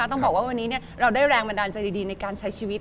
ต้องบอกว่าวันนี้เราได้แรงบันดาลใจดีในการใช้ชีวิต